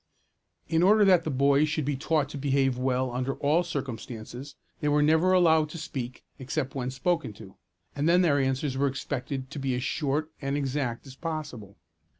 In order that the boys should be taught to behave well under all circumstances, they were never allowed to speak except when spoken to, and then their answers were expected to be as short and exact as possible.